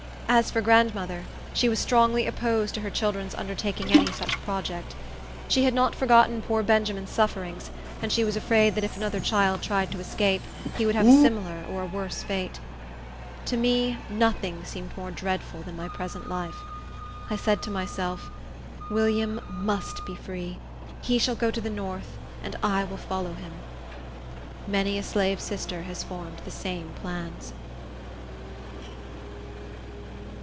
As for grandmother, she was strongly opposed to her children's undertaking any such project. She had not forgotten poor Benjamin's sufferings, and she was afraid that if another child tried to escape, he would have a similar or a worse fate. To me, nothing seemed more dreadful than my present life. I said to myself, "William must be free. He shall go to the north, and I will follow him." Many a slave sister has formed the same plans.